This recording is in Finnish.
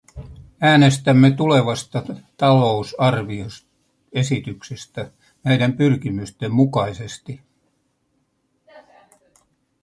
Äänestämme tulevasta talousarvioesityksestä näiden pyrkimysten mukaisesti.